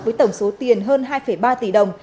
với tổng số tiền hơn hai ba tỷ đồng